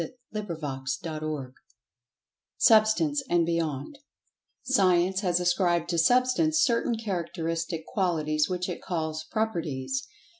[Pg 76] CHAPTER VI SUBSTANCE AND BEYOND SCIENCE has ascribed to Substance certain characteristic qualities which it calls "Properties."